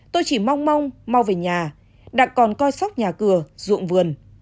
tôi chỉ mong mong mau về nhà đặng còn coi sóc nhà cửa ruộng vườn